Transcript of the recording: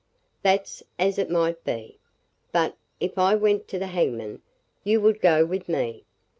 "'That's as it might be. But, if I went to the hangman, you would go with me.